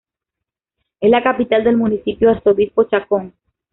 Es la capital del Municipio Arzobispo Chacón.